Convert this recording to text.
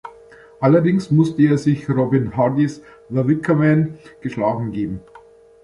Allerdings musste er sich Robin Hardys "The Wicker Man" geschlagen geben.